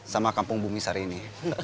sama kampung bumi sari ini